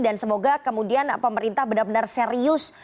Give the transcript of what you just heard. dan semoga kemudian pemerintah benar benar serius